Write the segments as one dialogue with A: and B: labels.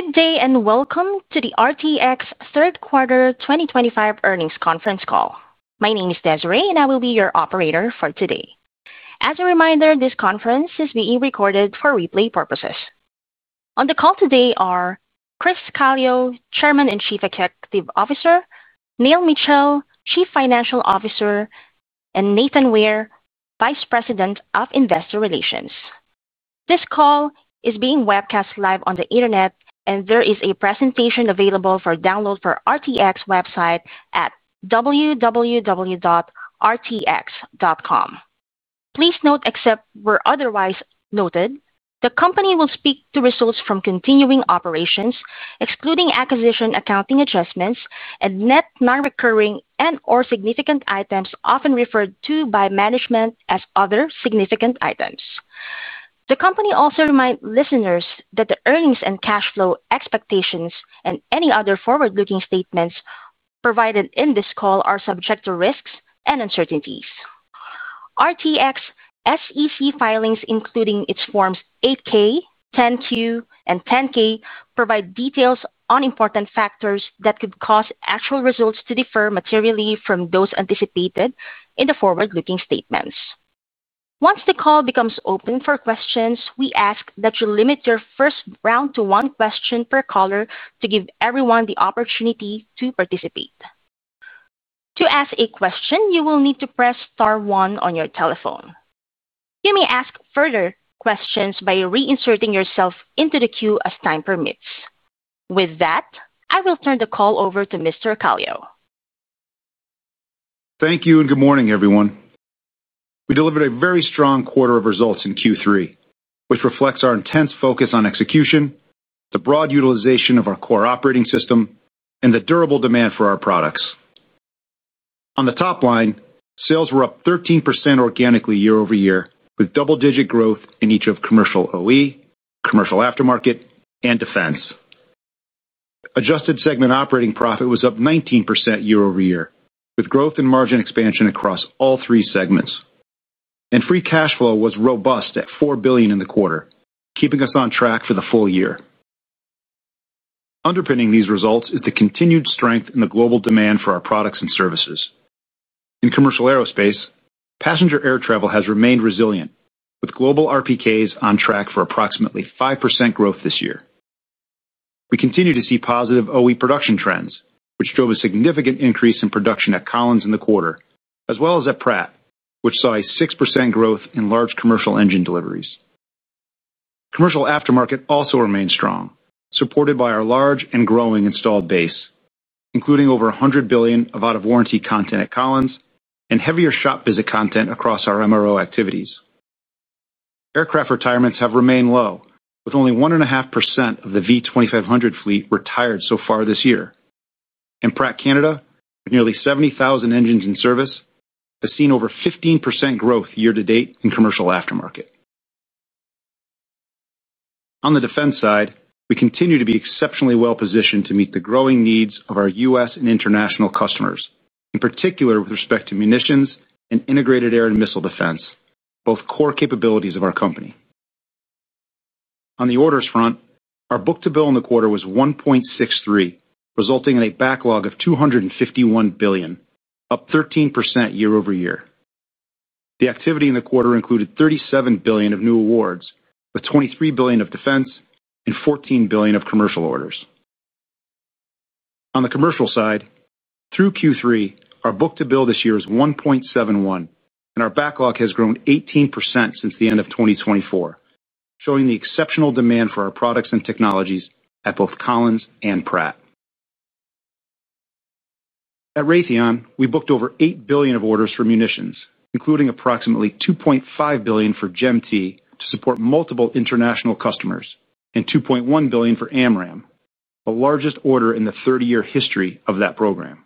A: Good day and welcome to the RTX third quarter 2025 earnings conference call. My name is Desiree and I will be your operator for today. As a reminder, this conference is being recorded for replay purposes. On the call today are Chris Calio, Chairman and Chief Executive Officer, Neil Mitchill, Chief Financial Officer, and Nathan Ware, Vice President of Investor Relations. This call is being webcast live on the Internet and there is a presentation available for download from the RTX website at www.rtx.com. Please note, except where otherwise noted, the company will speak to results from continuing operations excluding acquisition accounting adjustments and net non-recurring and/or significant items, often referred to by management as other significant items. The company also reminds listeners that the earnings and cash flow expectations and any other forward-looking statements provided in this call are subject to risks and uncertainties. RTX SEC filings, including its Forms 8-K, 10-Q, and 10-K, provide details on important factors that could cause actual results to differ materially from those anticipated in the forward-looking statements. Once the call becomes open for questions, we ask that you limit your first round to one question per caller to give everyone the opportunity to participate. To ask a question, you will need to press Star one on your telephone. You may ask further questions by reinserting yourself into the queue as time permits. With that, I will turn the call over to Mr. Calio.
B: Thank you and good morning everyone. We delivered a very strong quarter of results in Q3, which reflects our intense focus on execution, the broad utilization of our core operating system, and the durable demand for our products on the top line. Sales were up 13% organically year over year with double-digit growth in each of commercial original equipment (OE), commercial aftermarket, and defense. Adjusted segment operating profit was up 19% year over year with growth and margin expansion across all three segments, and free cash flow was robust at $4 billion in the quarter, keeping us on track for the full year. Underpinning these results is the continued strength in the global demand for our products and services in commercial aerospace. Passenger air travel has remained resilient with global RPKs on track for approximately 5% growth this year. We continue to see positive OE production trends, which drove a significant increase in production at Collins in the quarter, as well as at Pratt, which saw a 6% growth in large commercial engine deliveries. Commercial aftermarket also remained strong, supported by our large and growing installed base, including over $100 billion of out-of-warranty content at Collins and heavier shop visit content across our MRO activities. Aircraft retirements have remained low, with only 1.5% of the V2500 fleet retired so far this year, and Pratt Canada, with nearly 70,000 engines in service, has seen over 15% growth year to date in commercial aftermarket. On the defense side, we continue to be exceptionally well positioned to meet the growing needs of our U.S. and international customers, in particular with respect to munitions and integrated air and missile defense, both core capabilities of our company. On the orders front, our book to bill in the quarter was 1.63, resulting in a backlog of $251 billion, up 13% year-over-year. The activity in the quarter included $37 billion of new awards, with $23 billion of defense and $14 billion of commercial orders. On the commercial side through Q3, our book to bill this year is 1.71, and our backlog has grown 18% since the end of 2024, showing the exceptional demand for our products and technologies at both Collins and Pratt. At Raytheon, we booked over $8 billion of orders for munitions, including approximately $2.5 billion for GEM-T to support multiple international customers and $2.1 billion for AMRAAM, the largest order in the 30-year history of that program.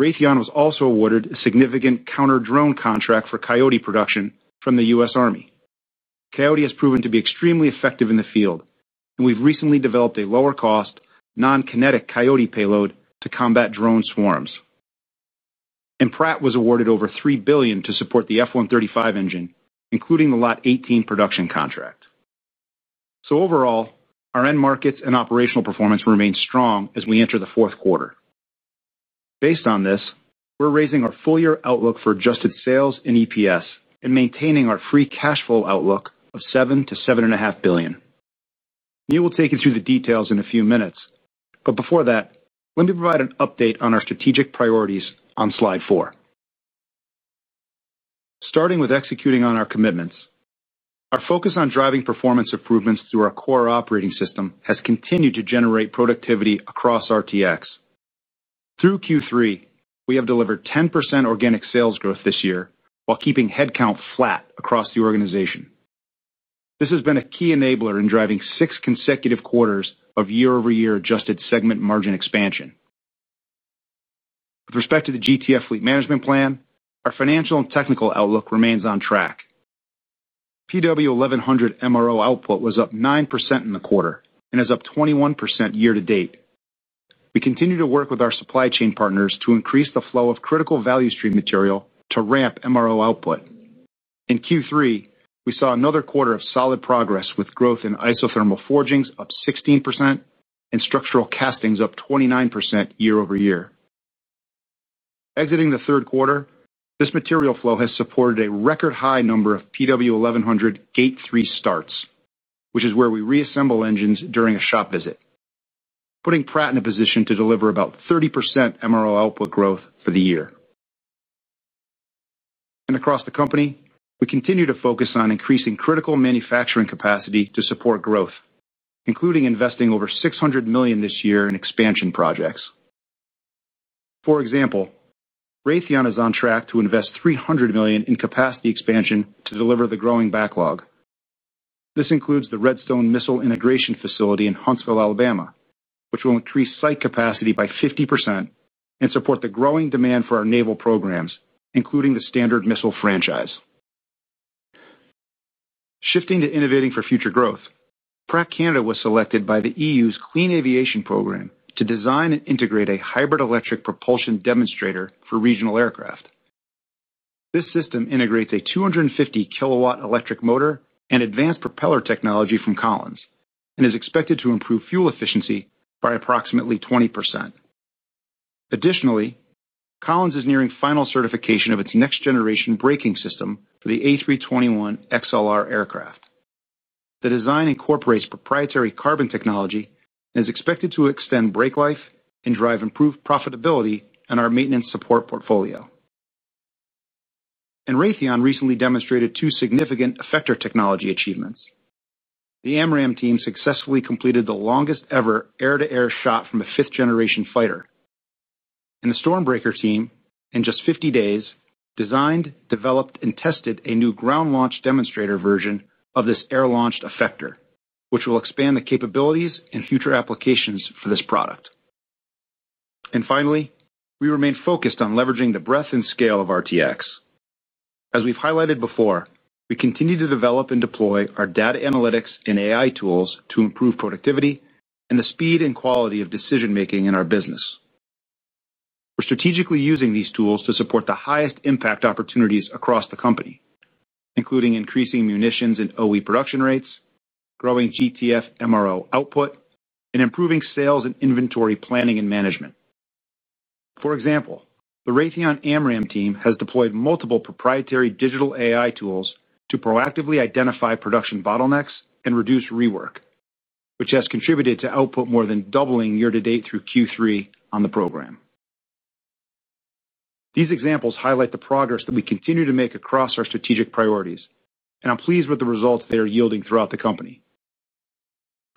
B: Raytheon was also awarded a significant counter drone contract for Coyote production from the U.S. Army. Coyote has proven to be extremely effective in the field, and we've recently developed a lower cost non-kinetic Coyote payload to combat drone swarms. Pratt was awarded over $3 billion to support the F135 engine, including the Lot 18 production contract. Overall, our end markets and operational performance remain strong as we enter the fourth quarter. Based on this, we're raising our full year outlook for adjusted sales and EPS and maintaining our free cash flow outlook of $7 billion - $7.5 billion. Neil will take you through the details in a few minutes, but before that let me provide an update on our strategic priorities on slide 4. Starting with executing on our commitments, our focus on driving performance improvements through our core operating system has continued to generate productivity across RTX. Through Q3, we have delivered 10% organic sales growth this year while keeping headcount flat across the organization. This has been a key enabler in driving six consecutive quarters of year-over-year adjusted segment margin expansion. With respect to the GTF fleet management plan, our financial and technical outlook remains on track. PW1100 MRO output was up 9% in the quarter and is up 21% year to date. We continue to work with our supply chain partners to increase the flow of critical value stream material to ramp MRO output. In Q3, we saw another quarter of solid progress with growth in isothermal forgings up 16% and structural castings up 29%. Year-over-year. Exiting the third quarter, this material flow has supported a record high number of PW1100 gate three starts, which is where we reassemble engines during a shop visit, putting Pratt in a position to deliver about 30% MRO output growth for the year. Across the company, we continue to focus on increasing critical manufacturing capacity to support growth, including investing over $600 million this year in expansion projects. For example, Raytheon is on track to invest $300 million in capacity expansion to deliver the growing backlog. This includes the Redstone Missile Integration facility in Huntsville, Alabama, which will increase site capacity by 50% and support the growing demand for our naval programs, including the Standard Missile franchise. Shifting to innovating for future growth, Pratt Canada was selected by the EU Clean Aviation Program to design and integrate a hybrid-electric propulsion demonstrator for regional aircraft. This system integrates a 250 kW electric motor and advanced propeller technology from Collins and is expected to improve fuel efficiency by approximately 20%. Additionally, Collins is nearing final certification of its next-generation braking system for the A321XLR aircraft. The design incorporates proprietary carbon technology and is expected to extend brake life and drive improved profitability in our maintenance support portfolio. Raytheon recently demonstrated two significant effector technology achievements. The AMRAAM team successfully completed the longest ever air-to-air shot from a fifth-generation fighter, and the StormBreaker team, in just 50 days, designed, developed, and tested a new ground launch demonstrator version of this air-launched effector, which will expand the capabilities and future applications for this product. We remain focused on leveraging the breadth and scale of RTX. As we've highlighted before, we continue to develop and deploy our data analytics and AI tools to improve productivity and the speed and quality of decision making in our business. We're strategically using these tools to support the highest impact opportunities across the company, including increasing munitions and OE production rates, growing GTF MRO output, and improving sales and inventory planning and management. For example, the Raytheon AMRAAM team has deployed multiple proprietary digital AI tools to proactively identify production bottlenecks and reduce rework, which has contributed to output more than doubling year to date through Q3 on the program. These examples highlight the progress that we continue to make across our strategic priorities, and I'm pleased with the results they are yielding throughout the company.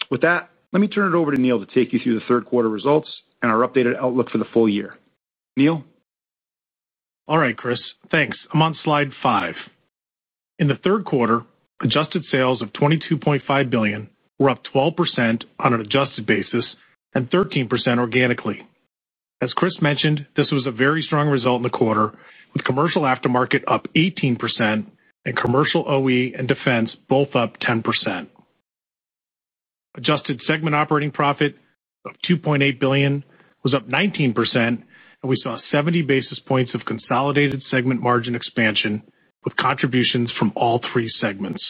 B: With that, let me turn it over to Neil to take you through the third quarter results and our updated outlook for the full year. Neil,
C: all right, Chris, thanks. I'm on Slide five. In the third quarter, adjusted sales of $22.5 billion were up 12% on an adjusted basis and 13% organically. As Chris mentioned, this was a very strong result in the quarter with commercial aftermarket up 18% and commercial original equipment (OE) and defense both up 10%. Adjusted segment operating profit of $2.8 billion was up 19%, and we saw 70 basis points of consolidated segment margin expansion with contributions from all three segments.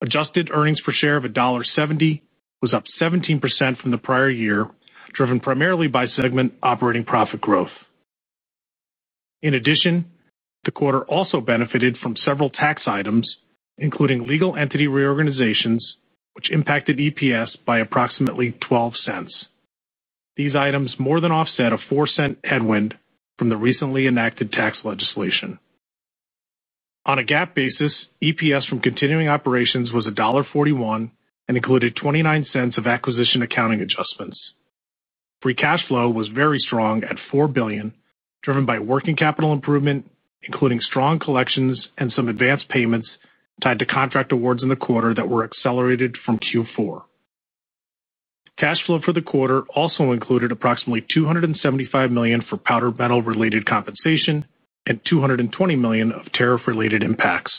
C: Adjusted earnings per share of $1.70 was up 17% from the prior year, driven primarily by segment operating profit growth. In addition, the quarter also benefited from several tax items, including legal entity reorganizations, which impacted EPS by approximately $0.12. These items more than offset a $0.04 headwind from the recently enacted tax legislation. On a GAAP basis, EPS from continuing operations was $1.41 and included $0.29 of acquisition accounting adjustments. Free cash flow was very strong at $4 billion, driven by working capital improvement, including strong collections and some advanced payments tied to contract awards in the quarter that were accelerated from Q4. Cash flow for the quarter also included approximately $275 million for powder metal related compensation and $220 million of tariff related impacts.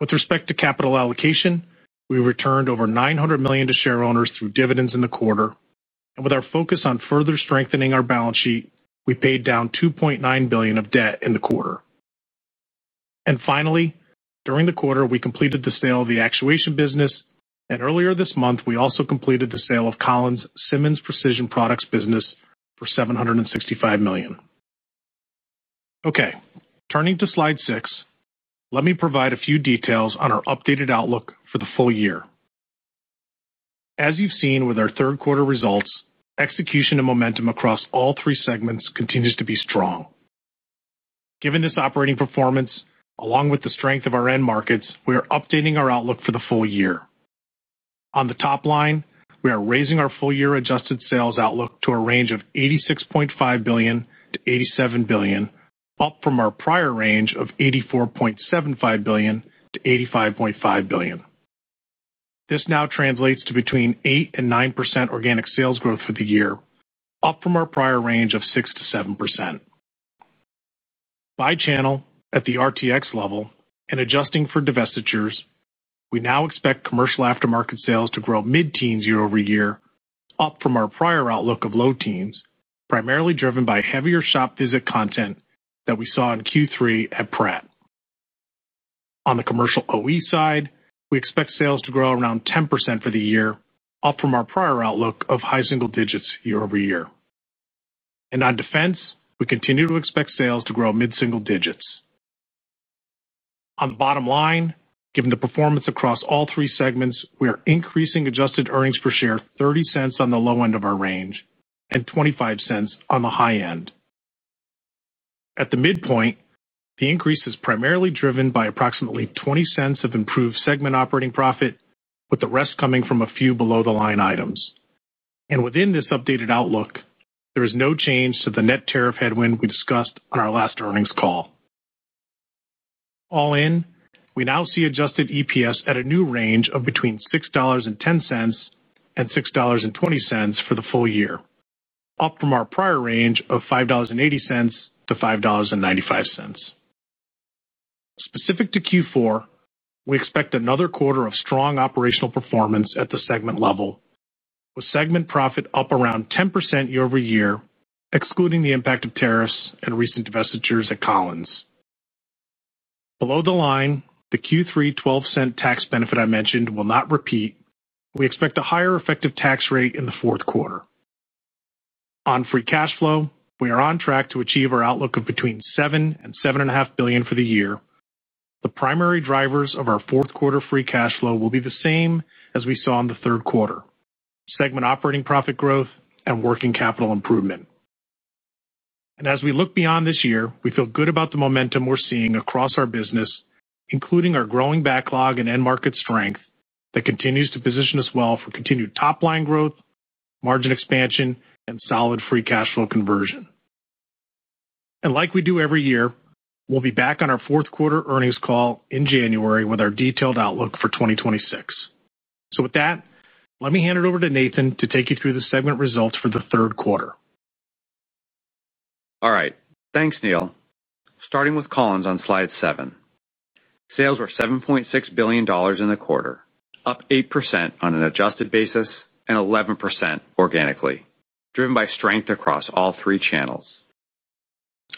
C: With respect to capital allocation, we returned over $900 million to shareowners through dividends in the quarter, and with our focus on further strengthening our balance sheet, we paid down $2.9 billion of debt in the quarter. Finally, during the quarter we completed the sale of the actuation business, and earlier this month we also completed the sale of Collins Simmons Precision Products business for $765 million. Okay, turning to Slide six, let me provide a few details on our updated outlook for the full year. As you've seen with our third quarter results, execution and momentum across all three segments continues to be strong. Given this operating performance along with the strength of our end markets, we are updating our outlook for the full year. On the top line, we are raising our full year adjusted sales outlook to a range of $86.5 billion - $87 billion, up from our prior range of $84.75 billion - $85.5 billion. This now translates to between 8% and 9% organic sales growth for the year, up from our prior range of 6% - 7%. By channel at the RTX level and adjusting for divestitures, we now expect commercial aftermarket sales to grow mid-teens year-over-year, up from our prior outlook of low teens, primarily driven by heavier shop visit content that we saw in Q3 at Pratt. On the commercial original equipment (OE) side, we expect sales to grow around 10% for the year, up from our prior outlook of high single digits year over year. On defense, we continue to expect sales to grow mid-single digits. On the bottom line, given the performance across all three segments, we are increasing adjusted earnings per share $0.30 on the low end of our range and $0.25 on the high end. At the midpoint, the increase is primarily driven by approximately $0.20 of improved segment operating profit, with the rest coming from a few below the line items. Within this updated outlook, there is no change to the net tariff headwind we discussed on our last earnings call. All in, we now see adjusted EPS at a new range of between $6.10 and $6.20 for the full year, up from our prior range of $5.80 - $5.95. Specific to Q4, we expect another quarter of strong operational performance at the segment level, with segment profit up around 10% year-over-year, excluding the impact of tariffs and recent divestitures at Collins. Below the line, the Q3 $0.12 tax benefit I mentioned will not repeat. We expect a higher effective tax rate in the fourth quarter. On free cash flow, we are on track to achieve our outlook of between $7 billion and $7.5 billion for the year. The primary drivers of our fourth quarter free cash flow will be the same as we saw in the third quarter: segment operating profit growth and working capital improvement. As we look beyond this year, we feel good about the momentum we're seeing across our business, including our growing backlog and end market strength that continues to position us well for continued top line growth, margin expansion, and solid free cash flow conversion. Like we do every year, we'll be back on our fourth quarter earnings call in January with our detailed outlook for 2026. With that, let me hand it over to Nathan to take you through the segment results for the third quarter.
D: All right, thanks Neil. Starting with Collins on slide seven, sales were $7.6 billion in the quarter, up 8% on an adjusted basis and 11% organically, driven by strength across all three channels.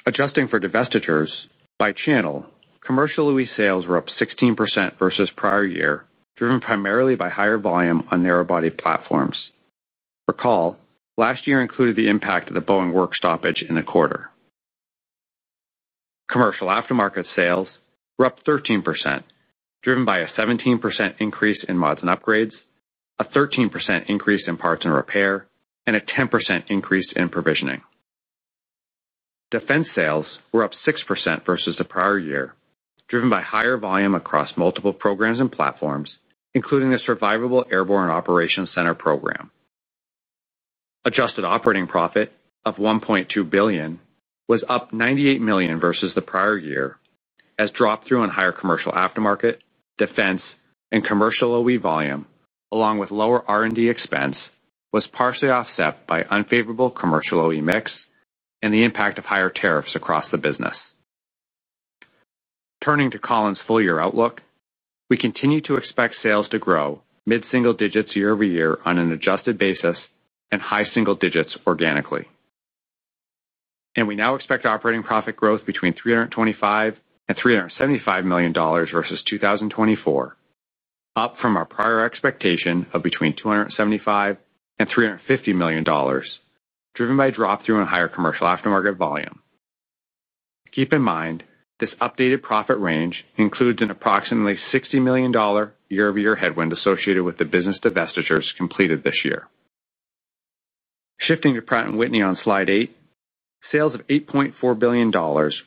D: Adjusting for divestitures by channel, commercial OE sales were up 16% versus prior year, driven primarily by higher volume on narrowbody platforms. Recall last year included the impact of the Boeing work stoppage in the quarter. Commercial aftermarket sales were up 13%, driven by a 17% increase in mods and upgrades, a 13% increase in parts and repair, and a 10% increase in provisioning. Defense sales were up 6% versus the prior year, driven by higher volume across multiple programs and platforms including the Survivable Airborne Operations Center program. Adjusted operating profit of $1.2 billion was up $98 million versus the prior year as drop through in higher commercial aftermarket, defense, and commercial OE volume along with lower R&D expense was partially offset by unfavorable commercial OE mix and the impact of higher tariffs across the business. Turning to Collins full year outlook, we continue to expect sales to grow mid single digits year over year on an adjusted basis and high single digits organically. We now expect operating profit growth between $325 million and $375 million versus 2024, up from our prior expectation of between $275 million and $350 million, driven by drop through in higher commercial aftermarket volume. Keep in mind this updated profit range includes an approximately $60 million year-over-year headwind associated with the business divestitures completed this year. Shifting to Pratt on slide eight, sales of $8.4 billion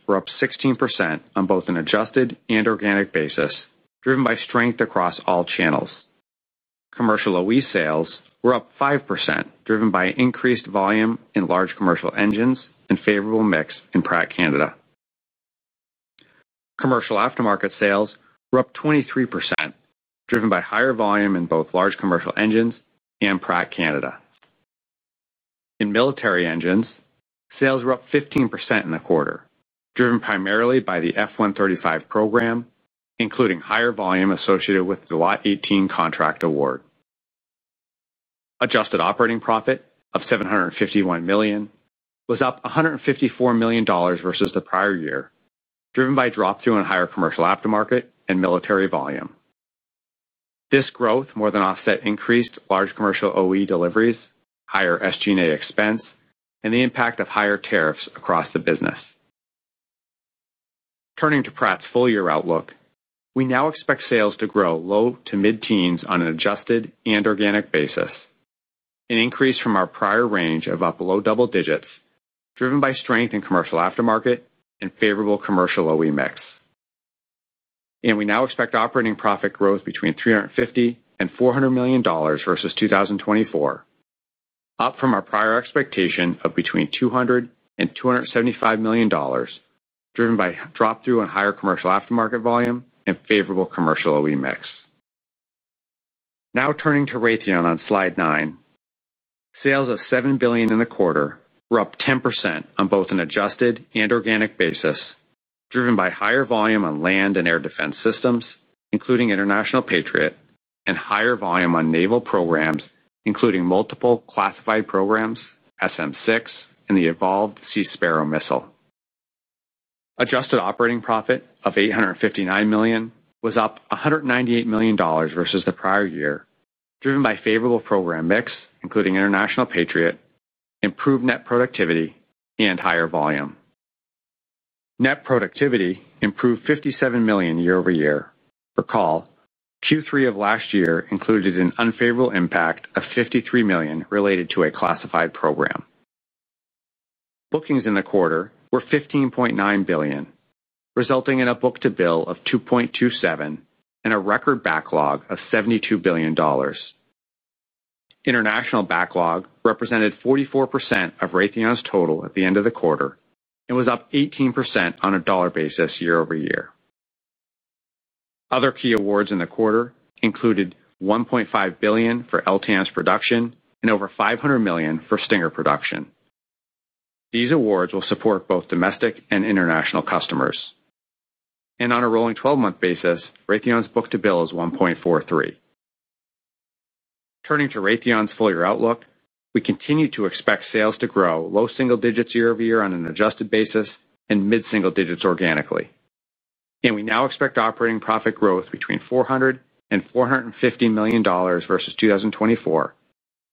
D: were up 16% on both an adjusted and organic basis, driven by strength across all channels. Commercial OE sales were up 5%, driven by increased volume in large commercial engines and favorable mix. In Pratt Canada, commercial aftermarket sales were up 23%, driven by higher volume in both large commercial engines and Pratt Canada. In military engines, sales were up 15% in the quarter, driven primarily by the F135 program including higher volume associated with the Lot 18 contract award. Adjusted operating profit of $751 million was up $154 million versus the prior year, driven by drop through in higher commercial aftermarket and military volume. This growth more than offset increased large commercial OE deliveries, higher SG&A expense, and the impact of higher tariffs across the business. Turning to Pratt's full year outlook, we. Now expect sales to grow low to. Mid teens on an adjusted and organic basis, an increase from our prior range of up low double digits driven by strength in commercial aftermarket and favorable commercial OE mix. We now expect operating profit growth between $350 million and $400 million versus 2024, up from our prior expectation of between $200 million and $275 million, driven by drop through and higher commercial aftermarket volume and favorable commercial OE mix. Now turning to Raytheon on slide nine, sales of $7 billion in the quarter were up 10% on both an adjusted and organic basis, driven by higher volume on land and air defense systems including International Patriot and higher volume on naval programs including multiple classified programs, SM6, and the Evolved Sea Sparrow Missile. Adjusted operating profit of $859 million was up $198 million versus the prior year, driven by favorable program mix including International Patriot, improved net productivity, and higher volume. Net productivity improved $57 million year-over-year. Recall Q3 of last year included an unfavorable impact of $53 million related to a classified program. Bookings in the quarter were $15.9 billion, resulting in a book to bill of 2.27 and a record backlog of $72 billion. International backlog represented 44% of Raytheon's total at the end of the quarter and was up 18% on a dollar basis year-over-year. Other key awards in the quarter included $1.5 billion for LTAN's production and over $500 million for Stinger production. These awards will support both domestic and international customers. On a rolling 12 month basis, Raytheon's book to bill is 1.43. Turning to Raytheon's full year outlook, we continue to expect sales to grow low single digits year- over- year on an adjusted basis and mid single digits organically. We now expect operating profit growth between $400 million and $450 million versus 2024,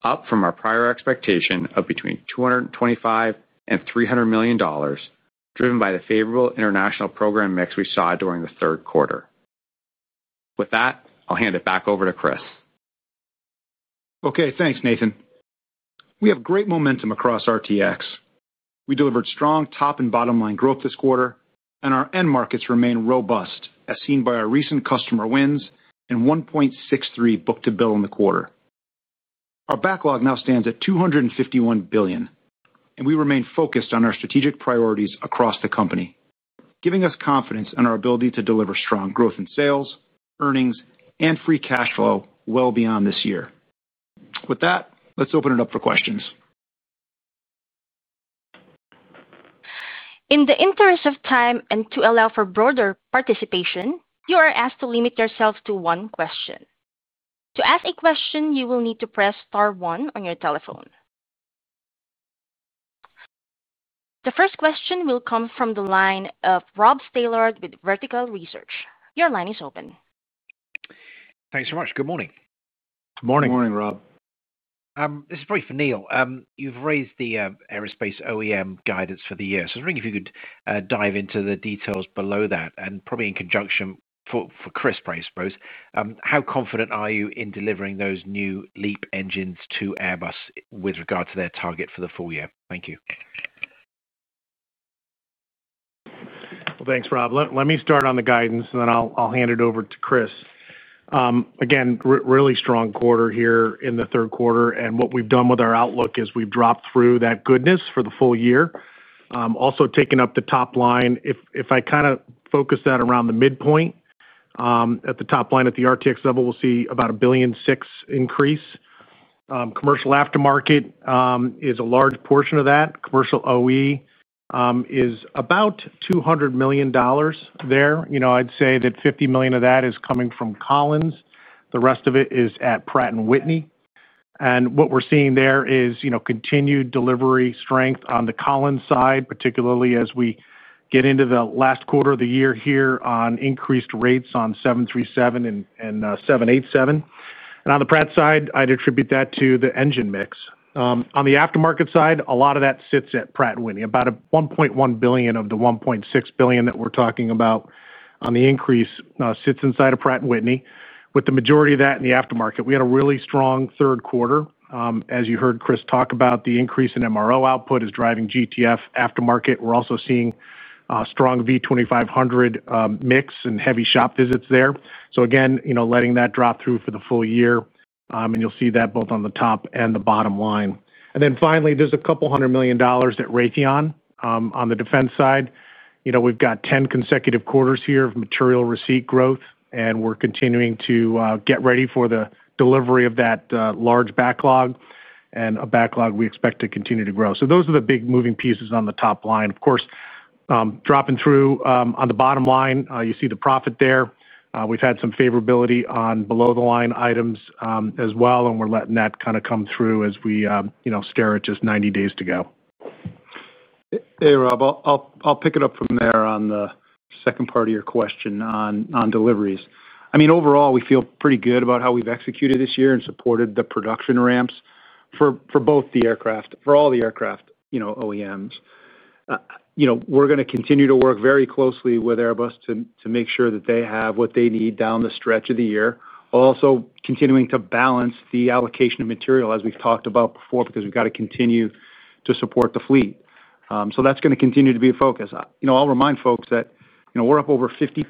D: up from our prior expectation of between $225 million and $300 million, driven by the favorable international program mix we saw during the third quarter. With that, I'll hand it back over to Chris.
B: Okay, thanks Nathan. We have great momentum across RTX. We delivered strong top and bottom line growth this quarter, and our end markets remain robust as seen by our recent customer wins and 1.63 book to. Bill in the quarter. Our backlog now stands at $251 billion, and we remain focused on our strategic priorities across the company, giving us confidence in our ability to deliver strong growth in sales, earnings, and free cash flow well beyond this year. With that, let's open it up for questions.
A: In the interest of time and to allow for broader participation, you are asked to limit yourself to one question. To ask a question, you will need to press Star one on your telephone. The first question will come from the line of Rob Stallard with Vertical Research. Your line is open.
E: Thanks very much. Good morning.
B: Good morning. Morning, Rob.
E: This is brief, Neil. You've raised the aerospace OEM guidance for the year, so I was wondering if you could dive into the details below that and probably in conjunction with for Chris, I suppose. How confident are you in delivering those new LEAP engines to Airbus with regard to their target for the full year? Thank you.
C: Thanks, Rob. Let me start on the guidance and then I'll hand it over to Chris. Again, really strong quarter here in the third quarter. What we've done with our outlook is we've dropped through that goodness for the full year. Also taken up the top line. If I kind of focus that around the midpoint at the top line at the RTX level, we'll see about a $1.6 billion increase. Commercial aftermarket is a large portion of that. Commercial original equipment (OE) is about $200 million there. I'd say that $50 million of that is coming from Collins. The rest of it is at Pratt & Whitney. What we're seeing there is continued delivery strength on the Collins side, particularly as we get into the last quarter of the year here on increased rates on 737 and 787. On the Pratt side, I'd attribute that to the engine mix. On the aftermarket side, a lot of that sits at Pratt & Whitney. About $1.1 billion of the $1.6 billion that we're talking about on the increase sits inside of Pratt & Whitney, with the majority of that in the aftermarket. We had a really strong third quarter. As you heard Chris talk about, the increase in MRO output is driving GTF aftermarket. We're also seeing strong V2500 mix and heavy shop visits there. Again, letting that drop through for the full year. You'll see that both on the top and the bottom line. Finally, there's a couple hundred million dollars at Raytheon. On the defense side, we've got 10 consecutive quarters here of material receipt growth and we're continuing to get ready for the delivery of that large backlog and a backlog we expect to continue to grow. Those are the big moving pieces on the top line, of course, dropping through on the bottom line. You see the profit there. We've had some favorability on below the line items as well. We're letting that kind of come through as we stare at just 90 days to go.
B: Hey, Rob, I'll pick it up from there. On the second part of your question on deliveries, overall we feel pretty good about how we've executed this year and supported the production ramps. Both the aircraft, for all the aircraft. You know, OEMs, we're going to continue to work very closely with Airbus to make sure that they have what they need down the stretch of the year, while also continuing to balance the allocation of material as we've talked about before, because we've got to continue to support the fleet. That's going to continue to be a focus. I'll remind folks that we're up over 50%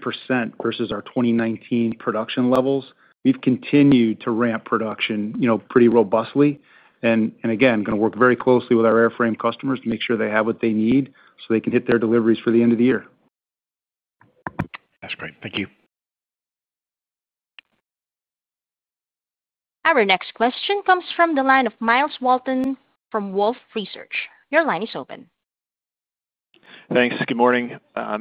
B: versus our 2019 production levels. We've continued to ramp production pretty robustly and again going to work very closely with our airframe customers to make sure they have what they need so they can hit their deliveries for the end of the year.
E: That's great. Thank you.
A: Our next question comes from the line of Myles Walton from Wolfe Research. Your line is open.
F: Thanks. Good morning,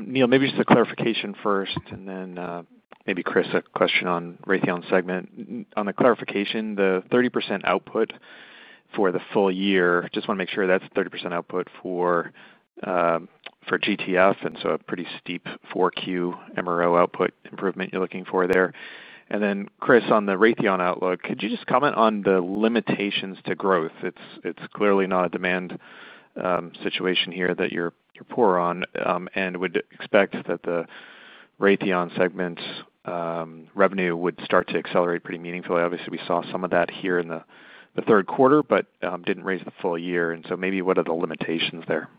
F: Neil. Maybe just a clarification first, and then. Maybe Chris, a question on Raytheon segment on the clarification, the 30% output for the full year. Just want to make sure that's 30% output for GTF and so a. Pretty steep 4Q MRO output improvement you're looking for there. Chris, on the Raytheon outlook, could you just comment on the limitations to growth? It's clearly not a demand situation here that you're poor on and would expect that the Raytheon segment revenue would start. To accelerate pretty meaningfully. Obviously, we saw some of that here in the third quarter, but raised the full year, and so maybe what are the limitations there?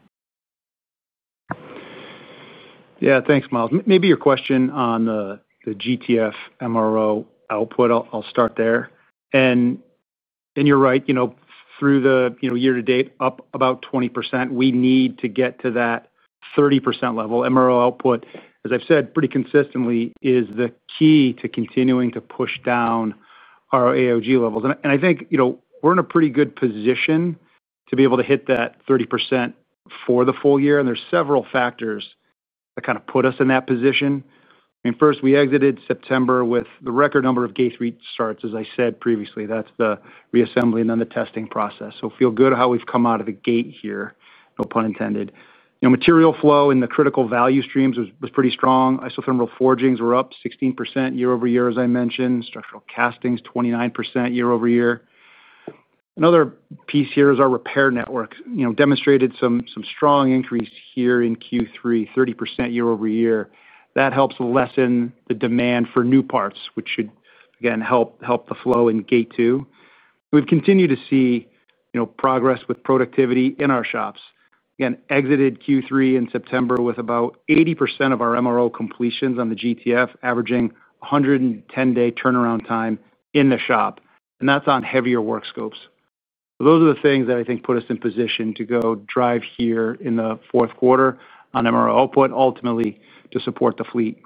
B: Yeah, thanks, Myles. Maybe your question on the GTF MRO output. I'll start there. You're right, through the year to date up about 20%. We need to get to that 30% level. MRO output, as I've said pretty consistently, is the key to continuing to push down our AOG levels. I think we're in a pretty good position to be able to hit that 30% for the full year. There are several factors that put us in that position. First, we exited September with the record number of gate restarts. As I said previously, that's the reassembly and then the testing process. I feel good about how we've come out of the gate here, no pun intended. Material flow in the critical value streams was pretty strong. Isothermal forgings were up 16% year- over-year. As I mentioned, structural castings 29% year-over-year. Another piece here is our repair network demonstrated some strong increase here in Q3, 30% year-over-year. That helps lessen the demand for new parts, which should again help the flow in gate two. We've continued to see progress with productivity in our shops and exited Q3 in September with about 80% of our MRO completions on the GTF averaging 110 day turnaround time in the shop, and that's on heavier work scopes. Those are the things that I think put us in position to go drive here in the fourth quarter on MRO output ultimately to support the fleet.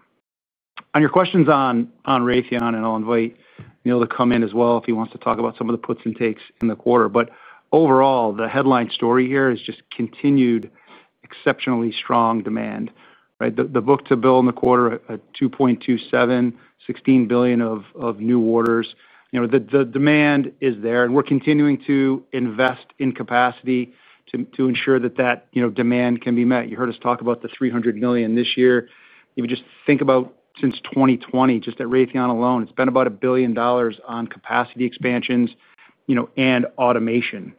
B: On your questions on Raytheon, I'll invite Neil to come in as well if he wants to talk about some of the puts and takes in the quarter. Overall, the headline story here is just continued exceptionally strong demand. The book to bill in the quarter at 2.27, $16 billion of new orders. The demand is there, and we're continuing to invest in capacity to ensure that demand can be met. You heard us talk about the $300 million this year. If you just think about since 2020, just at Raytheon alone, it's been about $1 billion on capacity expansions and automation.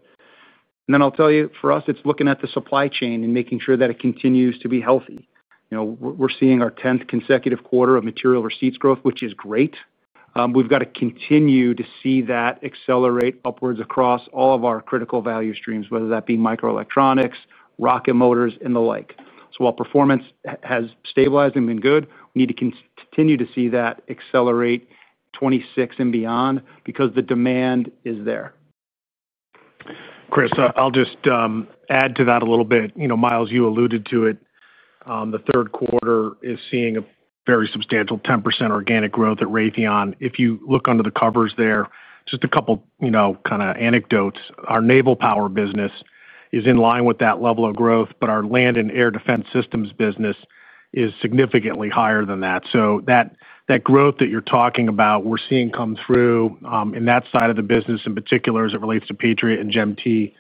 B: For us, it's looking at the supply chain and making sure that it continues to be healthy. We're seeing our 10th consecutive quarter of material receipts growth, which is great. We've got to continue to see that accelerate upwards across all of our critical value streams, whether that be microelectronics, rocket motors, and the like. While performance has stabilized and been good, we need to continue to see that accelerate 2026 and beyond because the demand is there.
C: Chris, I'll just add to that a little bit. You know, Myles, you alluded to it. The third quarter is seeing a very substantial 10% organic growth at Raytheon. If you look under the covers there, just a couple anecdotes. Our Naval Power business is in line with that level of growth, but our Land and Air Defense Systems business is significantly higher than that. That growth that you're talking about, we're seeing come through in that side of the business in particular as it relates to Patriot and GEM-T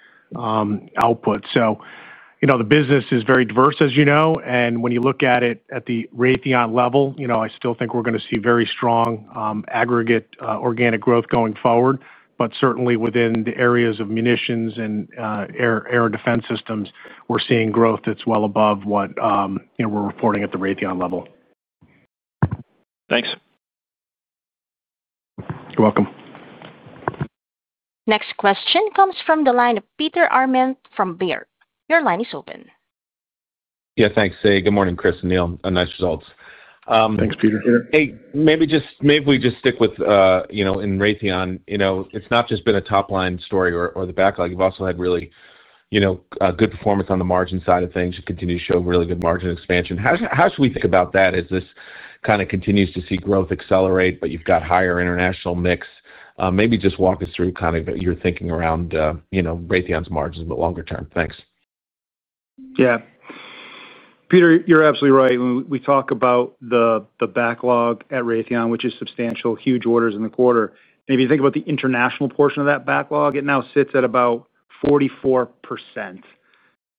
C: output. The business is very diverse, as you know. When you look at it at the Raytheon level, I still think we're going to see very strong aggregate organic growth going forward. Certainly within the areas of munitions and air defense systems, we're seeing growth that's well above what we're reporting at the Raytheon level.
F: Thanks.
C: You're welcome.
A: Next question comes from the line of Peter Arment from Baird. Your line is open.
G: Yeah, thanks. Se. Good morning, Chris and Neil, nice results.
B: Thanks, Peter.
G: Maybe, just maybe we just stick with. In Raytheon, it's not just been a top line story or the backlog. You've also had really good performance on the margin side of things. You continue to show really good margin expansion. How should we think about that? This continues to see growth accelerate. You've got higher international mix. Maybe just walk us through your thinking around Raytheon's margins, but longer term. Thanks.
B: Yeah, Peter, you're absolutely right. When we talk about the backlog at RTX. Raytheon, which is substantial, huge orders in the quarter. If you think about the international portion of that backlog, it now sits at about 44%.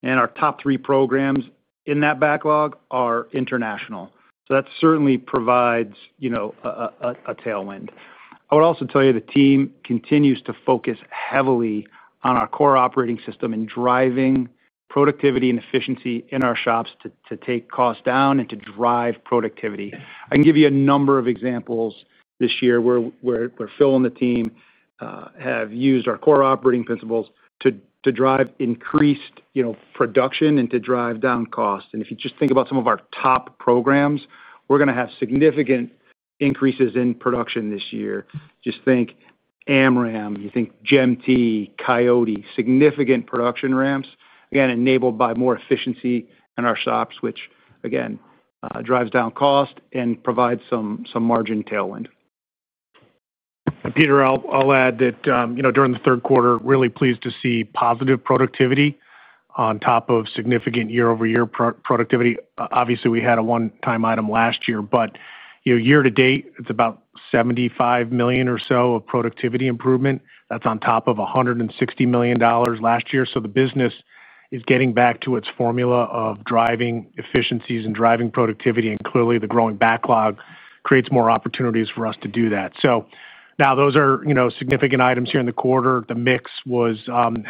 B: Our top three programs in that backlog are international. That certainly provides a tailwind. I would also tell you the team continues to focus heavily on our core operating system and driving productivity and efficiency in our shops to take costs down and to drive productivity. I can give you a number of examples this year where Phil and the team have used our core operating principles to drive increased production and to drive down cost. If you just think about some of our top programs, we're going to have significant increases in production this year. Just think AMRAAM, you think GEM-T, Coyote. Significant production ramps again enabled by more efficiency in our shops, which again drives down cost and provides some margin tailwind.
C: Peter, I'll add that during the third quarter, really pleased to see positive productivity on top of significant year over year productivity. Obviously we had a one-time item last year, but year to date it's about $75 million or so of productivity improvement. That's on top of $160 million last year. The business is getting back to its formula of driving efficiencies and driving productivity. Clearly the growing backlog creates more opportunities for us to do that. Those are significant items here in the quarter. The mix was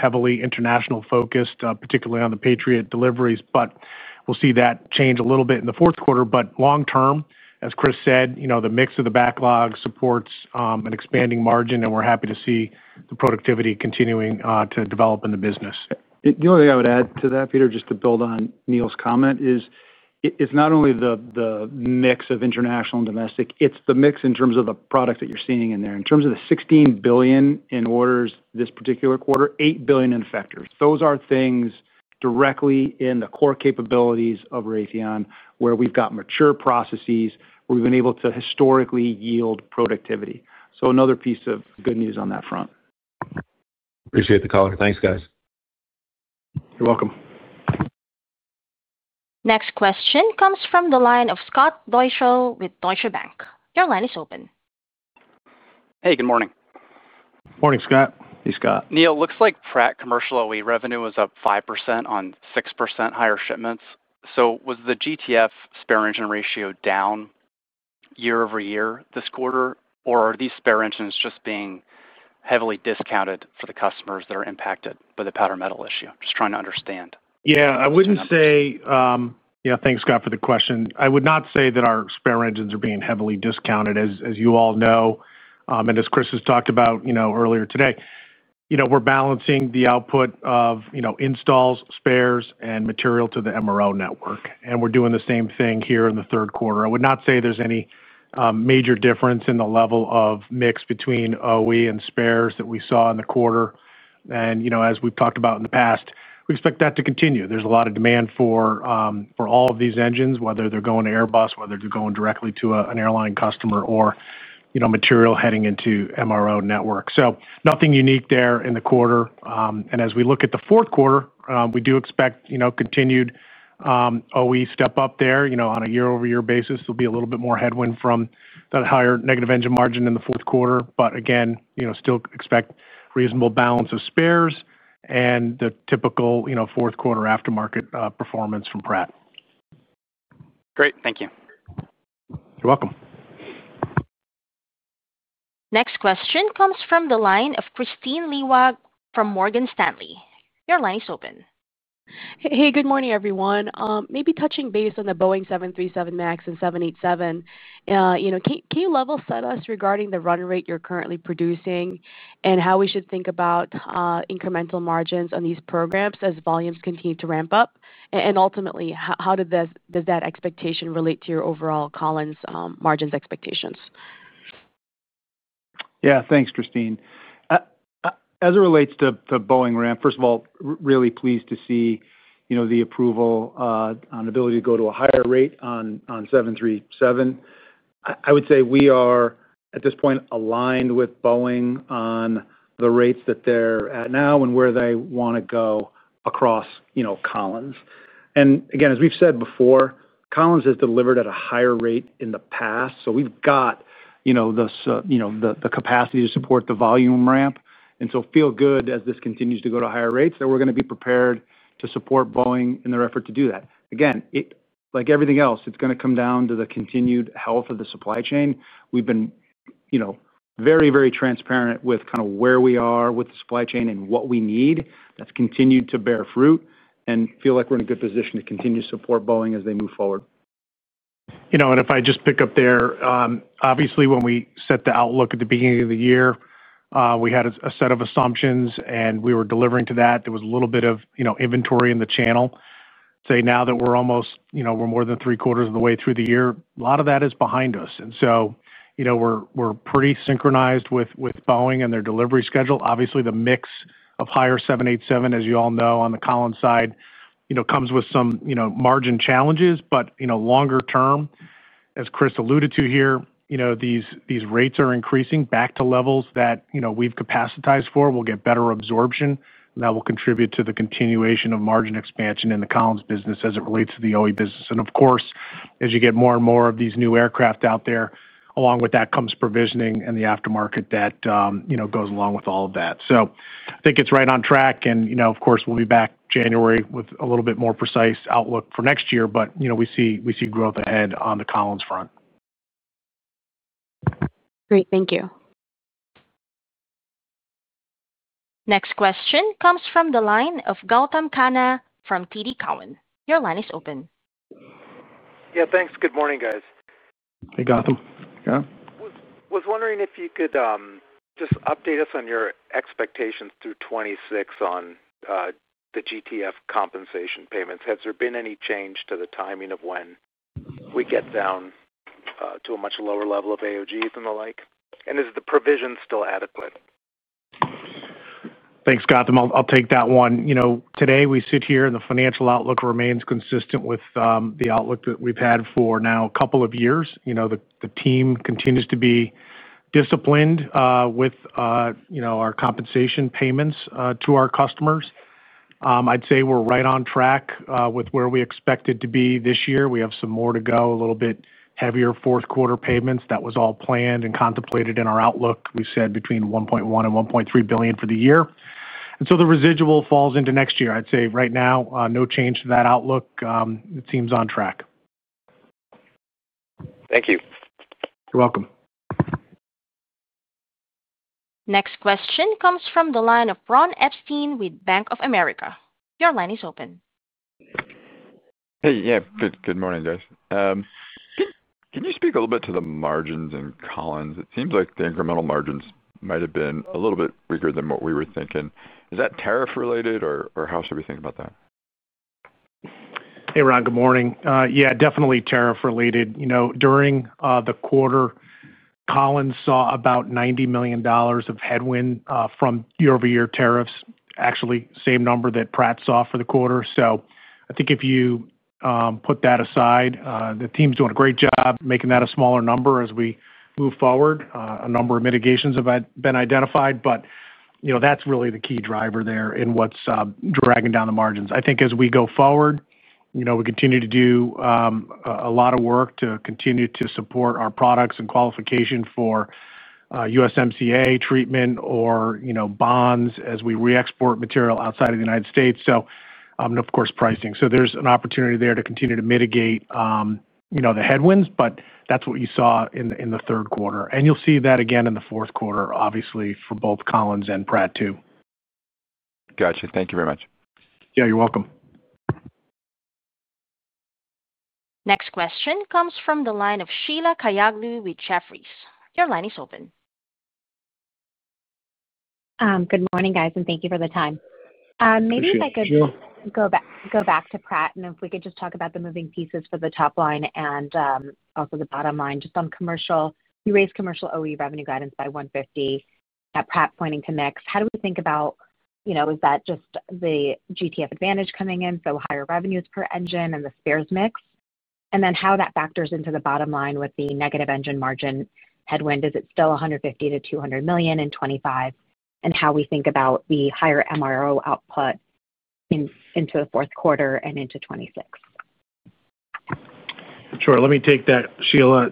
C: heavily international focused, particularly on the Patriot deliveries. We'll see that change a little bit in the fourth quarter. Long term, as Chris said, the mix of the backlog supports an expanding margin and we're happy to see the productivity continuing to develop in the business.
B: The only thing I would add to that, Peter, just to build on Neil's comment, is it's not only the mix of international and domestic, it's the mix in terms of the product that you're seeing in there. In terms of the $16 billion in orders this particular quarter, $8 billion in factors. Those are things directly in the core capabilities of Raytheon where we've got mature processes, where we've been able to historically yield productivity. Another piece of good news on that front.
G: Appreciate the caller. Thanks, guys.
B: You're welcome.
A: Next question comes from the line of Scott Deuschle with Deutsche Bank. Your line is open.
H: Hey, good morning.
B: Morning, Scott.
C: Hey, Scott.
H: Neil, looks like Pratt Commercial OE revenue. Was up 5% on 6% higher shipments. The GTF spare engine ratio was. Down year over year this quarter? Are these spare engines just being. Heavily discounted for the customers that are. Impacted by the powder metal issue? Just trying to understand.
C: Yeah, I wouldn't say, you know, thanks, Scott, for the question. I would not say that our spare engines are being heavily discounted. As you all know and as Chris has talked about earlier today, we're balancing the output of installs, spares, and material to the MRO network, and we're doing the same thing here in the third quarter. I would not say there's any major difference in the level of mix between OE and spares that we saw in the quarter. As we've talked about in the past, we expect that to continue. There's a lot of demand for all of these engines, whether they're going to Airbus, whether they're going directly to an airline customer, or material heading into the MRO network. Nothing unique there in the quarter. As we look at the fourth quarter, we do expect continued OE step up there on a year-over-year basis. There'll be a little bit more headwind from that higher negative engine margin in the fourth quarter, but again, still expect reasonable balance of spares and the typical fourth quarter aftermarket performance from Pratt.
H: Great, thank you.
C: You're welcome.
A: Next question comes from the line of Kristine Liwag from Morgan Stanley. Your line is open.
I: Hey, good morning everyone. Maybe touching base on the Boeing 737 Max and 787, can you level set us regarding the run rate you're currently producing and how we should think about incremental margins on these programs as volumes continue to ramp up? Ultimately, how does that expectation relate to your overall Collins margins expectations?
B: Yeah, thanks, Christine. As it relates to Boeing ramp, first of all, really pleased to see the approval on ability to go to a higher rate on 737. I would say we are at this point aligned with Boeing on the rates that they're at now and where they want to go across Collins. As we've said before, Collins. Has delivered at a higher rate in the past. We have the capacity to support the volume ramp and feel good as this continues to go to higher rates that we're going to be prepared to support Boeing in their effort to do that. Like everything else, it's going to come down to the continued health of the supply chain. We've been very, very transparent with kind of where we are with the supply chain and what we need. That's continued to bear fruit and feel like we're in a good position to continue to support Boeing as they move forward.
C: If I just pick up there, obviously when we set the outlook at the beginning of the year, we had a set of assumptions and we were delivering to that. There was a little bit of inventory in the channel. Now that we're almost, we're more than three quarters of the way through the year, a lot of that is behind us. We're pretty synchronized with Boeing and their delivery schedule. Obviously, the mix of higher 787, as you all know, on the Collins side comes with some margin challenges. Longer term, as Chris alluded to here, these rates are increasing back to levels that we've capacitized for. We'll get better absorption. That will contribute to the continuation of margin expansion in the Collins business as it relates to the OE business. As you get more and more of these new aircraft out there, along with that comes provisioning and the aftermarket that goes along with all of that. I think it's right on track. We'll be back January with a little bit more precise outlook for next year, but we see growth ahead on the Collins front.
I: Great, thank you.
A: Next question comes from the line of Gautam Khanna from TD Cowen. Your line is open.
J: Yeah, thanks. Good morning, guys.
B: Hey, Gautam.
J: Was wondering if you could just update us on your expectations through 2026 on the GTF compensation payments. Has there been any change to the timing of when we get down to a much lower level of AOGs and the like. Is the provision still adequate?
C: Thanks, Gautam. I'll take that one. Today we sit here and the financial outlook remains consistent with the outlook that we've had for now a couple of years. The team continues to be disciplined with our compensation payments to our customers. I'd say we're right on track with where we expected to be this year. We have some more to go, a little bit heavier fourth quarter payments. That was all planned and contemplated in our outlook. We said between $1.1 billion and $1.3 billion for the year, so the residual falls into next year. I'd say right now, no change to that outlook, it seems on track.
J: Thank you.
C: You're welcome.
A: Next question comes from the line of Ron Epstein with Bank of America. Your line is open.
K: Hey. Yeah, good morning, guys. Can you speak a little bit to the margins in Collins? It seems like the incremental margins might have been a little bit weaker than what we were thinking. Is that tariff related, or how should we think about that?
C: Hey, Ron, good morning. Yeah, definitely tariff related. During the quarter, Collins saw about $90 million of headwind from year-over-year tariffs, actually the same number that Pratt saw for the quarter. I think if you put that aside, the team's doing a great job making that a smaller number as we move forward. A number of mitigations have been identified, but that's really the key driver there in what's dragging down the margins. I think as we go forward, we continue to do a lot of work to continue to support our products and qualification for USMCA treatment or bonds as we re-export material outside of the United States, and of course, pricing. There's an opportunity there to continue to mitigate the headwinds. That's what you saw in the third quarter and you'll see that again in the fourth quarter, obviously, for both Collins and Pratt, too.
K: Got you. Thank you very much.
C: Yeah, you're welcome.
A: Next question comes from the line of Sheila Kahyaoglu with Jefferies. Your line is open.
L: Good morning, guys, and thank you for the time. Maybe if I could go back to Pratt and if we could just talk about the moving pieces for the top line and also the bottom line just on commercial. We raised commercial OE revenue guidance by $150 million. Pratt pointing to mix. How do we think about, you know, is that just the GTF advantage coming in? So higher revenues per engine and the spares mix and then how that factors into the bottom line with the negative engine margin headwind, is it still $150 million - $200 million in 2025? How do we think about the higher MRO output into the fourth quarter and into 2026?
C: Sure. Let me take that, Sheila.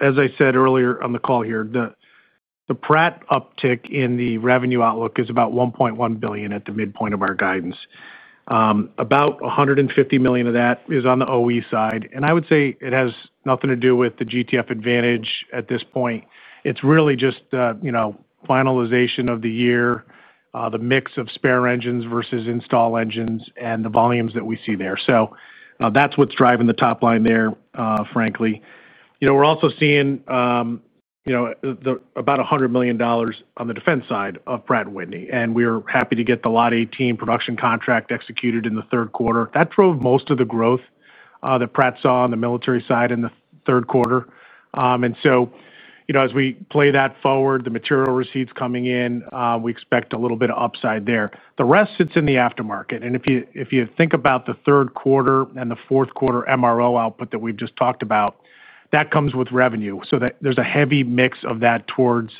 C: As I said earlier on the call here, the Pratt uptick in the revenue outlook is about $1.1 billion at the midpoint of our guidance. About $150 million of that is on the OE side. I would say it has nothing to do with the GTF engine advantage at this point. It's really just finalization of the year, the mix of spare engines versus installed engines, and the volumes that we see there. That's what's driving the top line there. Frankly, we're also seeing about $100 million on the defense side of Pratt & Whitney. We were happy to get the Lot 18 production contract executed in the third quarter. That drove most of the growth that Pratt saw on the military side in the third quarter. As we play that forward, the material receipts coming in, we expect a little bit of upside there. The rest sits in the aftermarket. If you think about the third quarter and the fourth quarter, MRO output that we've just talked about comes with revenue. There's a heavy mix of that towards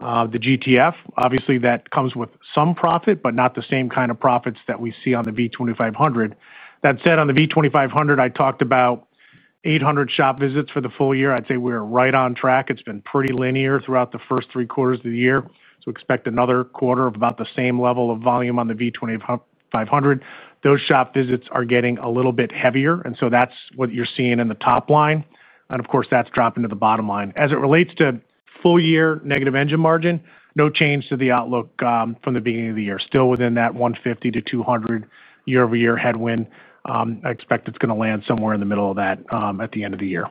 C: the GTF engine. Obviously, that comes with some profit, but not the same kind of profits that we see on the V2500. That said, on the V2500, I talked about 800 shop visits for the full year. I'd say we're right on track. It's been pretty linear throughout the first three quarters of the year, so expect another quarter of about the same level of volume. On the V2500, those shop visits are getting a little bit heavier, and that's what you're seeing in the top line. Of course, that's dropping to the bottom line as it relates to full year negative engine margin. No change to the outlook from the beginning of the year. Still within that $150 - $200 year-over-year headwind. I expect it's going to land somewhere in the middle of that at the. End of the year.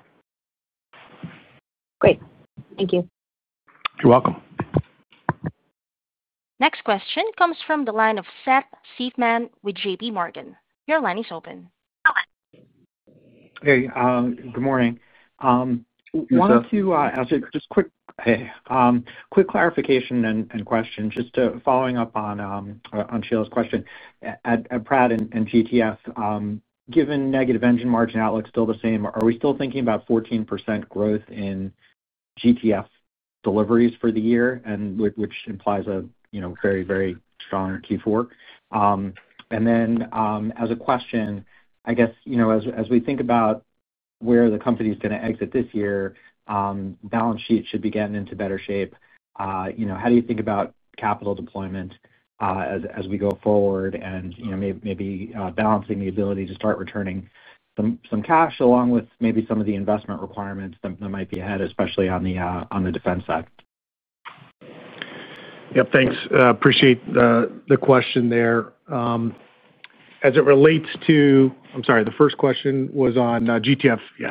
L: Great, thank you.
C: You're welcome.
A: Next question comes from the line of Seth Seifman with JPMorgan. Your line is open. Hello.
M: Hey, good morning. Just a quick clarification and question. Just following up on Sheila's question at Pratt & Whitney. Given negative engine margin outlook still the same, are we still thinking about 14% growth in GTF deliveries for the year, which implies a very, very strong Q4? As a question, I guess as we think about where the company is going to exit this year, balance sheet should be getting into better shape. How do you think about capital deployment as we go forward and maybe balancing the ability to start returning some cash along with maybe some of the investment requirements that might be ahead, especially on the defense side?
C: Yep, thanks. Appreciate the question there. As it relates to GTF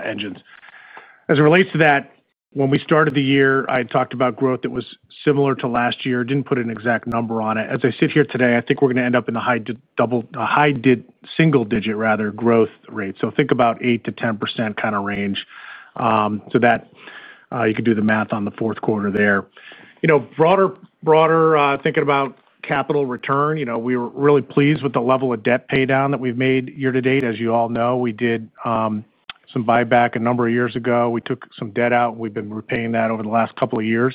C: engines, as it relates to that, when we started the year, I talked about growth that was similar to last year. Didn't put an exact number on it. As I sit here today, I think we're going to end up in the high single digit rather growth rate. So think about 8% - 10% kind of range so that you could do the math on the fourth quarter there. Broader thinking about capital return, we were really pleased with the level of debt pay down that we've made year to date. As you all know, we did some buyback a number of years ago. We took some debt out. We've been repaying that over the last couple of years.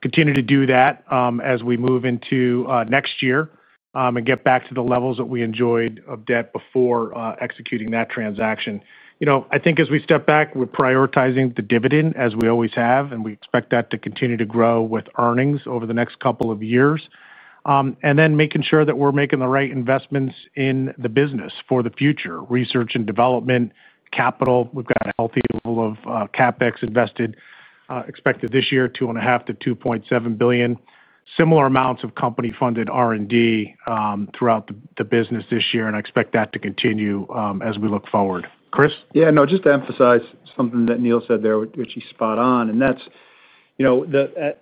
C: Continue to do that as we move into next year and get back to the levels that we enjoyed of debt before executing that transaction. I think as we step back, we're prioritizing the dividend as we always have and we expect that to continue to grow with earnings over the next couple of years and then making sure that we're making the right investments in the business for the future. Research and development capital, we've got a healthy level of CapEx invested expected this year, $2.5 billion - $2.7 billion. Similar amounts of company funded R&D throughout the business this year and I expect that to continue as we look forward.
B: Yeah, no, just to emphasize something that Neil said there, which he's spot on, and that's, you know,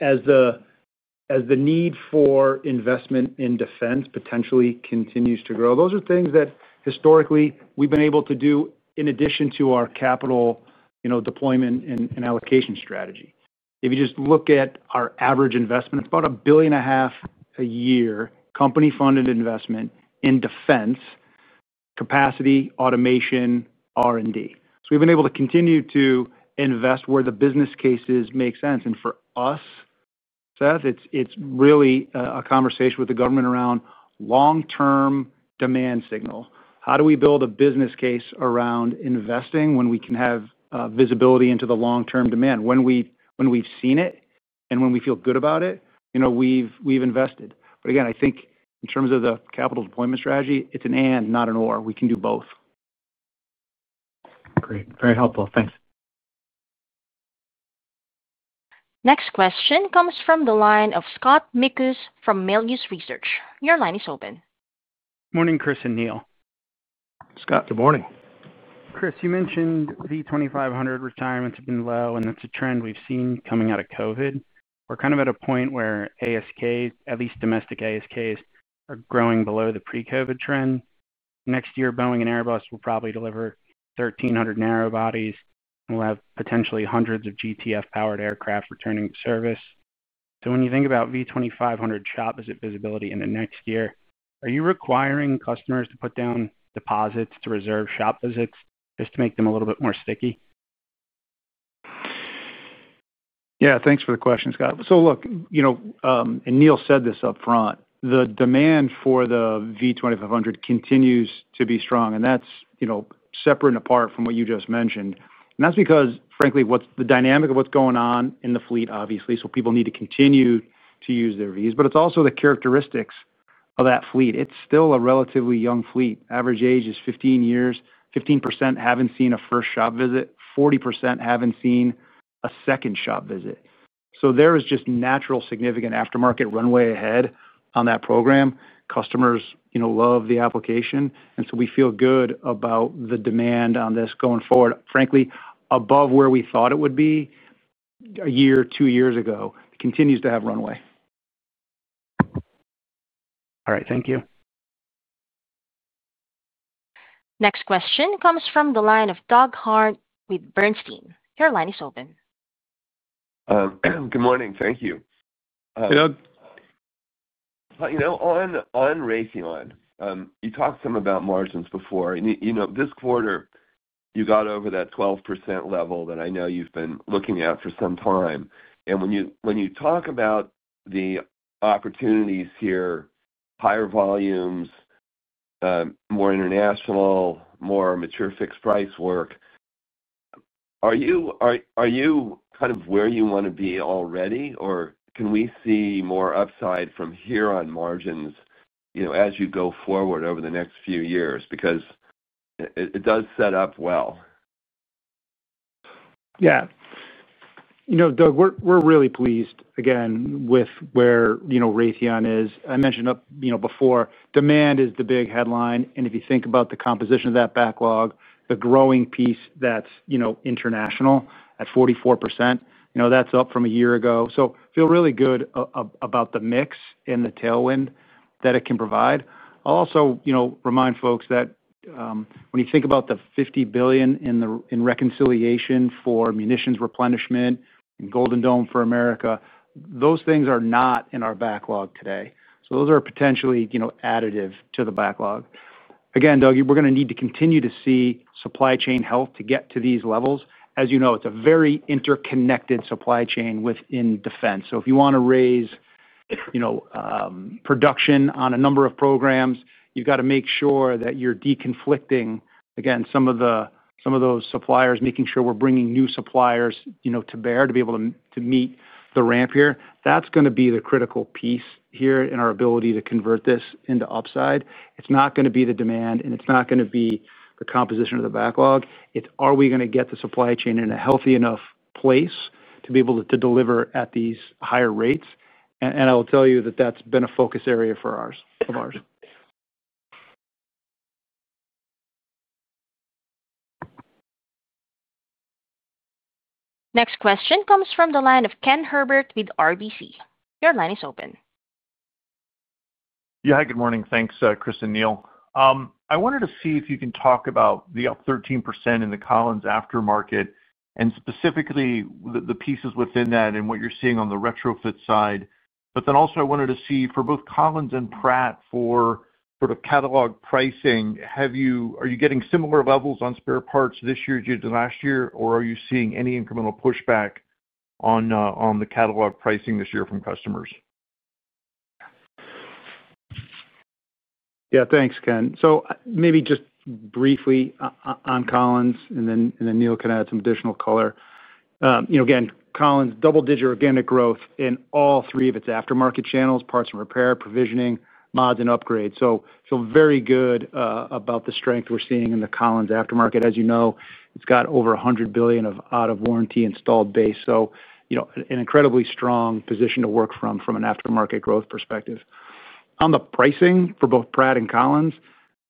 B: as the need for investment in defense potentially continues to grow, those are things that historically we've been able to do in addition to our capital deployment and allocation strategy. If you just look at our average investment, it's about $1.5 billion a year company-funded investment in defense capacity, automation, R&D. We've been able to continue to invest where the business cases make sense. For us, Seth, it's really a conversation with the government around long-term demand signal. How do we build a business case around investing when we can have visibility into the long-term demand, when we've seen it and when we feel good about it, you know, we've invested. I think in terms of the capital deployment strategy, it's an and not an or. We can do both.
M: Great, very helpful, thanks.
A: Next question comes from the line of Scott Mikus from Melius Research. Your line is open.
N: Morning Christopher and Neil.
B: Scott, good morning.
N: Chris, you mentioned V2500 retirements have been low and that's a trend we've seen coming out of COVID. We're kind of at a point where ASK, at least domestic ASK, are growing below the pre-COVID trend. Next year Boeing and Airbus will probably deliver 1,300 narrow bodies. We'll have potentially hundreds of GTF-powered aircraft returning to service. When you think about V2500 shop visibility into next year, are you requiring customers to put down deposits to reserve shop visits just to make them a little bit more sticky?
B: Yeah, thanks for the question, Scott. Neil said this up front. The demand for the V2500 continues to be strong, and that's separate and apart from what you just mentioned. That's because, frankly, it's the dynamic of what's going on in the fleet. Obviously, people need to continue to use their V2500s, but it's also the characteristics of that fleet. It's still a relatively young fleet. Average age is 15 years. 15% haven't seen a first shop visit. 40% haven't seen a second shop visit. There is just natural, significant aftermarket runway ahead on that program. Customers love the application, and we feel good about the demand on this going forward, frankly, above where we thought it would be a year, two years ago. It continues to have runway.
N: All right, thank you.
A: Next question comes from the line of Doug Harned with Bernstein. Your line is open.
O: Good morning. Thank you,
B: Doug.
O: On Raytheon, you talked some. About margins before this quarter. You got over that 12% level. I know you've been looking at for some time. When you talk about the opportunities. Here, higher volumes, more international, more mature. Fixed price work. Are you kind of Where you want to be already, or can we see more upside from here on margins as you go forward over the next few years? Because it does set up well.
B: Yeah, you know, Doug, we're really pleased again with where Raytheon is. I mentioned before, demand is the big headline. If you think about the composition of that backlog, the growing piece, that's international at 44%, that's up from a year ago. I feel really good about the mix and the tailwind that it can provide. I'll also remind folks that when you think about the $50 billion in the reconciliation for munitions replenishment and Golden Dome for America, those things are not in our backlog today. Those are potentially additive to the backlog. Again, Doug, we're going to need to continue to see supply chain health to get to these levels. As you know, it's a very interconnected supply chain within defense. If you want to raise production on a number of programs, you've got to make sure that you're deconflicting some of those suppliers, making sure we're bringing new suppliers to bear to be able to meet the ramp here. That's going to be the critical piece here in our ability to convert this into upside. It's not going to be the demand and it's not going to be the composition of the backlog. It's are we going to get the supply chain in a healthy enough place to be able to deliver at these higher rates? I will tell you that that's been a focus area of ours.
A: Next question comes from the line of Ken Herbert with RBC. Your line is open.
P: Yeah, good morning. Thanks, Chris and Neil, I wanted to see if you can talk about the up 13% in the Collins aftermarket and specifically the pieces within that and what you're seeing on the retrofit side. I also wanted to see for both Collins and Pratt for sort of catalog pricing. Have you, are you getting similar levels on spare parts this year to last year or are you seeing any incremental pushback on the catalog pricing this year from customers?
B: Yeah, thanks, Ken. Maybe just briefly on Collins and then Neil can add some additional color again. Collins double digit organic growth in all three of its aftermarket channels, parts and repair, provisioning mods and upgrades. Very good about the strength we're seeing in the Collins aftermarket. As you know, it's got over $100 billion of out of warranty installed base. An incredibly strong position to work from from an aftermarket growth perspective on the pricing for both Pratt and Collins.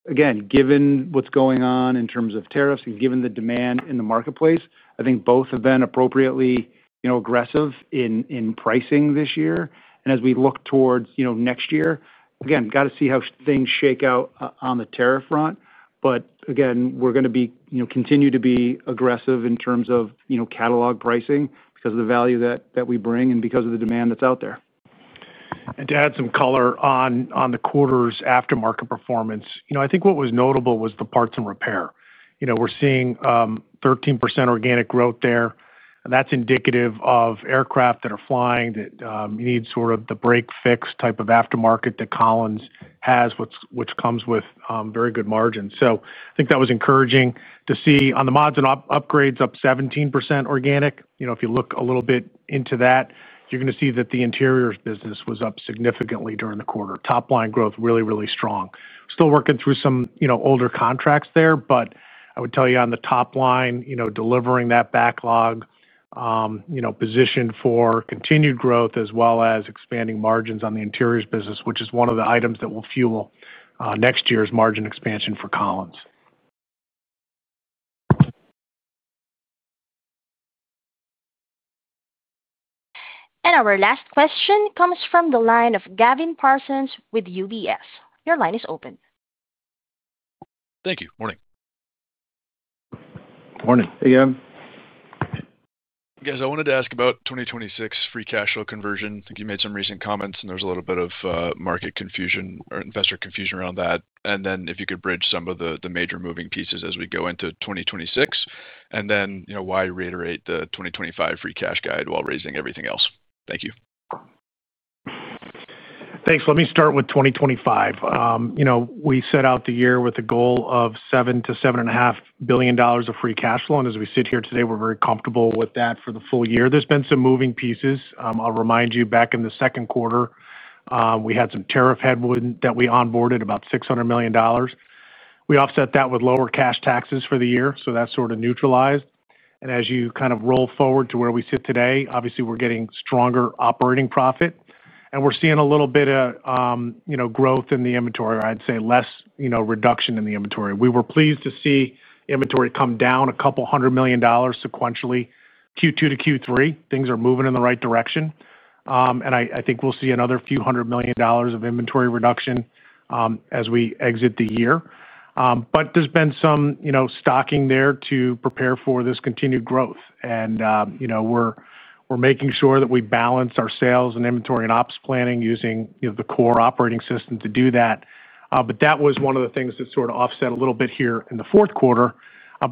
B: Again, given what's going on in terms of tariffs and given the demand in the marketplace, I think both have been appropriately aggressive in pricing this year. As we look towards next year, got to see how things shake out on the tariff front. We're going to continue to be aggressive in terms of catalog pricing because of the value that we bring and because of the demand that's out there.
C: To add some color on the quarter's aftermarket performance, I think what was notable was the parts and repair. We're seeing 13% organic growth there. That's indicative of aircraft that are flying that need sort of the break fix type of aftermarket that Collins has, which comes with very good margins. I think that was encouraging to see on the mods and upgrades, up 17% organic. If you look a little bit into that, you're going to see that the interiors business was up significantly during the quarter. Top line growth, really, really strong. Still working through some older contracts there. I would tell you on the top line, delivering that backlog, positioned for continued growth as well as expanding margins on the interiors business, which is one of the items that will fuel next year's margin expansion for Collins.
A: Our last question comes from the line of Gavin Parsons with UBS. Your line is open.
Q: Thank you. Morning.
B: Morning.
C: Hey, good morning,
Q: guys. I wanted to ask about 2026 free cash flow conversion. You made some recent comments, and there's A little bit of market confusion or investor confusion around that. If you could bridge some. Of the major moving pieces as we go into 2026, why reiterate the 2025 free cash guide while raising everything else? Thank you.
C: Thanks. Let me start with 2025. You know, we set out the year with a goal of $7 billion - $7.5 billion of free cash flow. As we sit here today, we're very comfortable with that for the full year. There's been some moving pieces. I'll remind you, back in the second quarter, we had some tariff headwind that we onboarded, about $600 million. We offset that with lower cash taxes for the year, so that sort of neutralized. As you kind of roll forward to where we sit today, obviously we're getting stronger operating profit and we're seeing a little bit of growth in the inventory, or I'd say less reduction in the inventory. We were pleased to see inventory come down a couple hundred million dollars sequentially, Q2 to Q3. Things are moving in the right direction. I think we'll see another few hundred million dollars of inventory reduction as we exit the year. There's been some stocking there to prepare for this continued growth. We're making sure that we balance our sales and inventory and ops planning, using the core operating system to do that. That was one of the things that sort of offset a little bit here in the fourth quarter.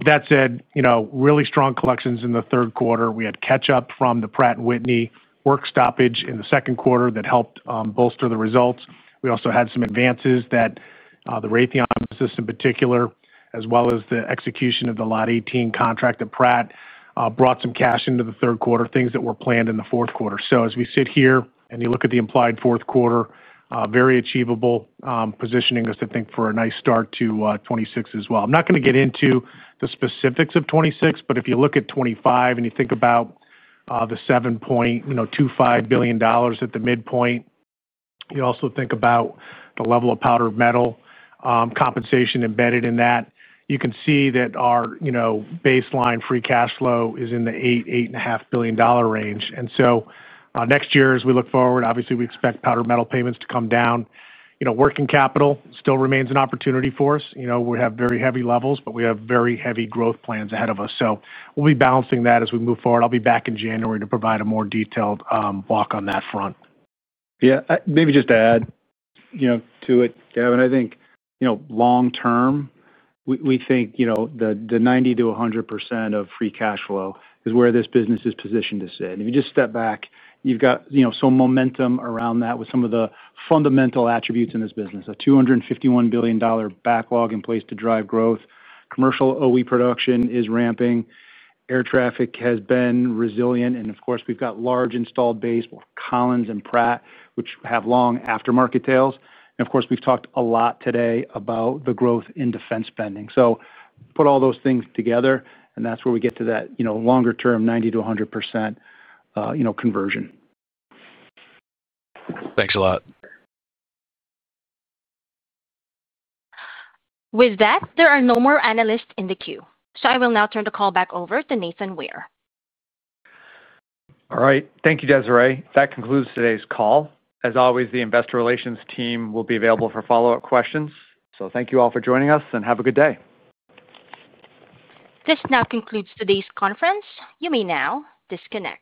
C: That said, really strong collections in the third quarter. We had catch up from the Pratt & Whitney work stoppage in the second quarter. That helped bolster the results. We also had some advances that the Raytheon system in particular, as well as the execution of the Lot 18 contract at Pratt, brought some cash into the third quarter, things that were planned in the fourth quarter. As we sit here and you look at the implied fourth quarter, very achievable, positioning us, I think, for a nice start to 2026 as well. I'm not going to get into the specifics of 2026, but if you look at 2025 and you think about the $7.25 billion at the midpoint, you also think about the level of powdered metal compensation embedded in that, you can see that our baseline free cash flow is in the $8 billion - $8.5 billion range. Next year, as we look forward, obviously we expect powdered metal payments to come down. Working capital still remains an opportunity for us. We have very heavy levels, but we have very heavy growth plans ahead of us. We'll be balancing that as we move forward. I'll be back in January to provide a more detailed walk on that front.
B: Yeah, maybe just to add to it, Gavin. I think long term, we think the 90% - 100% of free cash flow is where this business is positioned to sit. If you just step back, you've got some momentum around that with some of the fundamental attributes in this business. A $251 billion backlog in place to drive growth. Commercial OE production is ramping. Air traffic has been resilient. Of course, we've got large installed base, Collins and Pratt, which have long aftermarket tails. We've talked a lot today about the growth in defense spending. Put all those things together and that's where we get to that, you know, longer term, 90% - 100%, you know, conversion.
Q: Thanks a lot.
A: With that, there are no more analysts in the queue, so I will now turn the call back over to Nathan Ware.
D: All right, thank you, Desiree. That concludes today's call. As always, the Investor Relations team will. Be available for follow-up questions. Thank you all for joining us and have a good day.
A: This now concludes today's conference. You may now disconnect.